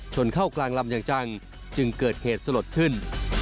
ชนเข้ากลางลำอย่างจังจึงเกิดเหตุสลดขึ้น